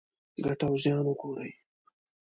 ګټه او زیان وګورئ.